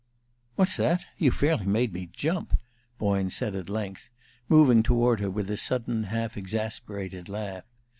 "What's what? You fairly made me jump!" Boyne said at length, moving toward her with a sudden, half exasperated laugh.